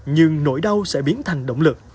nhưng nỗi đau sẽ biến thành động lực